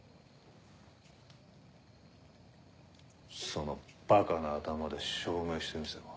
そのバカな頭で証明してみせろ。